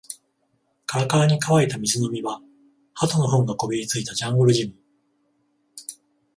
カラカラに乾いた水飲み場、鳩の糞がこびりついたジャングルジム